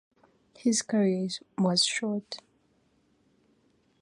His career was short.